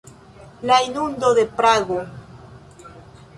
La inundo en Prago.